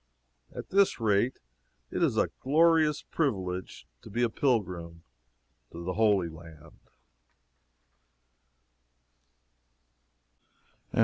At this rate it is a glorious privilege to be a pilgrim to the Holy Land.